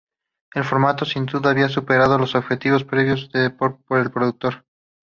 El formato sin dudas había superado los objetivos previstos por el productor.